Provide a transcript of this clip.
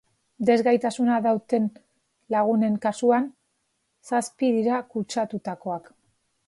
Desgaitasuna dauten lagunen kasuan, zazpi dira kutsatutakoak.